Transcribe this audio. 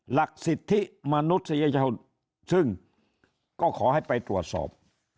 หลักสิทธิมนุษยชนซึ่งก็ขอให้ไปตรวจสอบ